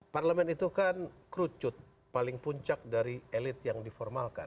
parlemen itu kan kerucut paling puncak dari elit yang diformalkan